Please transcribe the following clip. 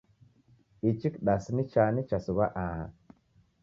Ichi kidasi ni chani chasighwa aha?